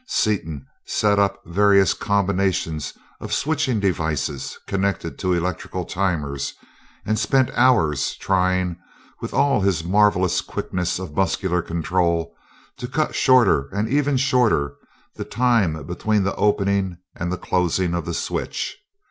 Seaton set up various combinations of switching devices connected to electrical timers, and spent hours trying, with all his marvelous quickness of muscular control, to cut shorter and ever shorter the time between the opening and the closing of the switch.